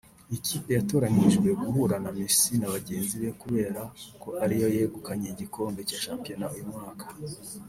Iyi kipe yatoranyijwe guhura na Messi na bagenzi be kubera ko ariyo yegukanye igikombe cya shampiyona uyu mwaka